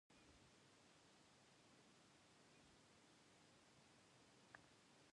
Currently, it is sponsored by Mercedes-Benz, and Toni and Guy.